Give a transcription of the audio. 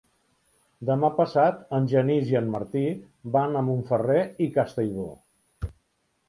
Demà passat en Genís i en Martí van a Montferrer i Castellbò.